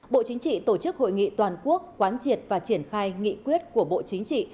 bộ chính trị tổ chức hội nghị toàn quốc quán triệt và triển khai nghị quyết của bộ chính trị